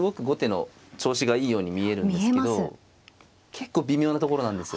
結構微妙なところなんです